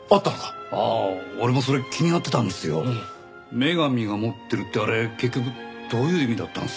「女神が持ってる」ってあれ結局どういう意味だったんですかね？